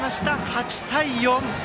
８対４。